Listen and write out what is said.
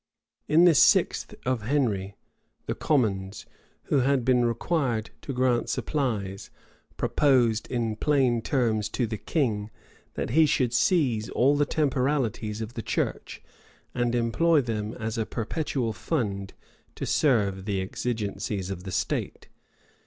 In the sixth of Henry, the commons, who had been required to grant supplies, proposed in plain terms to the king, that he should seize all the temporalities of the church, and employ them as a perpetual fund to serve the exigencies of the state.